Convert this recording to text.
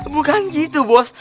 bukan gitu bos